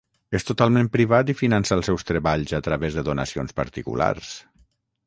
És totalment privat i finança els seus treballs a través de donacions particulars.